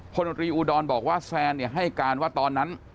พลตรีอุดรบอกว่าแซนให้การว่าตอนนั้น